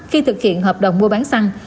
khi thực hiện hợp đồng mua bán xăng